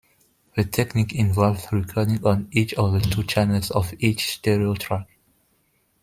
The technique involved recording on each of the two channels of each stereo track.